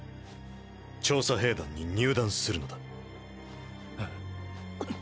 調査兵団に入団するのだ。